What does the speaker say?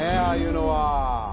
ああいうのは。